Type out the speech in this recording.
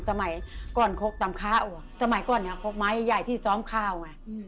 สมัยก่อนคกตำข้าวสมัยก่อนเนี่ยคกไม้ใหญ่ที่ซ้อมข้าวไง